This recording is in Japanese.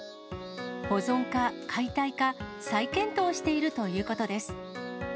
保存か、解体か、再検討しているということです。